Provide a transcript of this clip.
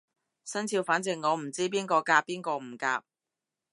生肖反正我唔知邊個夾邊個唔夾